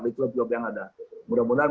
di klub klub yang ada mudah mudahan